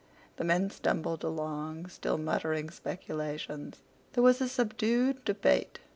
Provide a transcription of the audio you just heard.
The men stumbled along still muttering speculations. There was a subdued debate.